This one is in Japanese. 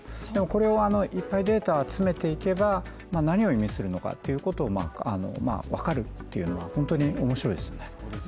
これをいっぱいデータを集めていけば何を意味するのか、分かるというのは本当に面白いですね。